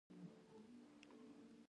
اداره څه ډول تعریف کوئ؟